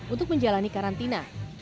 untuk menjalani karantina